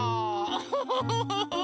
ウフフフフフ！